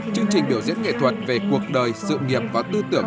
chương trình biểu diễn nghệ thuật về cuộc đời sự nghiệp và tư tưởng